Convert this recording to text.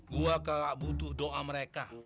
gue gak butuh doa mereka